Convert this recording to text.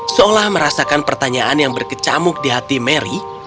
seolah merasakan pertanyaan yang berkecamuk di hati mary